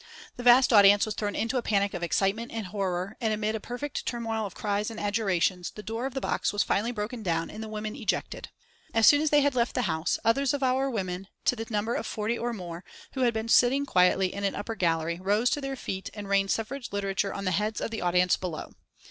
The vast audience was thrown into a panic of excitement and horror, and amid a perfect turmoil of cries and adjurations, the door of the box was finally broken down and the women ejected. As soon as they had left the house others of our women, to the number of forty or more, who had been sitting quietly in an upper gallery, rose to their feet and rained suffrage literature on the heads of the audience below.